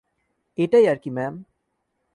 এটাই আরকি, ম্যাম।